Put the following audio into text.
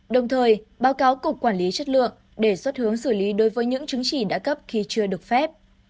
đồng thời báo cáo cục quản lý chất lượng đề xuất hướng xử lý đối với những chứng chỉ đã cấp khi chưa được phép